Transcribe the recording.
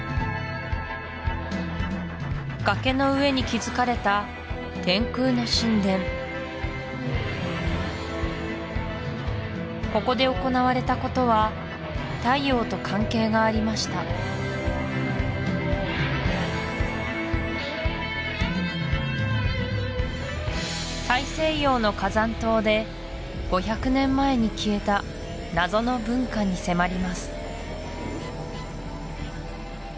崖の上に築かれたここで行われたことは太陽と関係がありました大西洋の火山島で５００年前に消えた謎の文化に迫ります